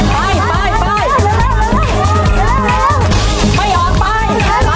ไปไปไป